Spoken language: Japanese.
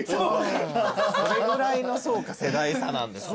それぐらいの世代差なんですね。